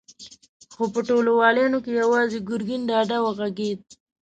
خو په ټولو واليانو کې يواځې ګرګين ډاډه وغږېد.